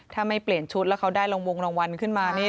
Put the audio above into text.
ถ้าไม่เปลี่ยนชุดแล้วเขาได้วงรางวัลขึ้นมานี่